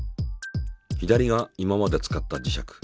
左が今まで使った磁石。